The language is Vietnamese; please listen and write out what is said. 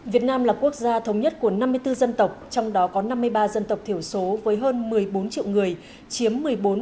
việt nam là quốc gia thống nhất của năm mươi bốn dân tộc trong đó có năm mươi ba dân tộc thiểu số với hơn một mươi bốn triệu người chiếm một mươi bốn